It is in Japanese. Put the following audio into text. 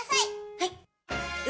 はい。